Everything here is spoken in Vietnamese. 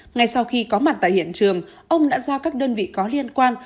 ngay sau khi có mặt tại hiện trường ông đã giao các đơn vị có liên quan